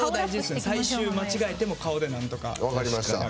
間違えても顔でなんとか。